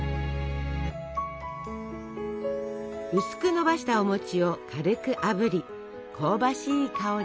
薄くのばしたおを軽くあぶり香ばしい香り。